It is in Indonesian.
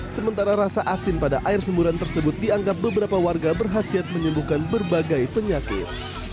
sementara rasa asin pada air semburan tersebut dianggap beberapa warga berhasil menyembuhkan berbagai penyakit